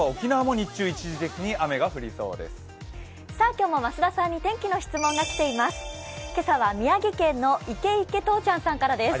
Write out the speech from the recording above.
今日も増田さんに天気の質問が来ています。